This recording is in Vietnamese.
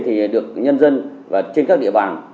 thì được nhân dân và trên các địa bàn